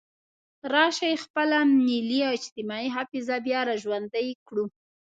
راشئ خپله ملي او اجتماعي حافظه بیا را ژوندۍ کړو.